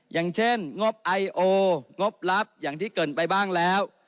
อย่างเช่นงบไอโองบลับอย่างที่เกินไปบ้างแล้ว